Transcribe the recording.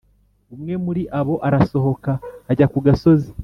Umwe muri abo arasohoka ajya ku gasozi.